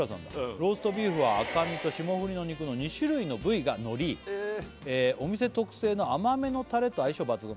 「ローストビーフは赤身と霜降りの肉の２種類の部位がのり」「お店特製の甘めのタレと相性抜群」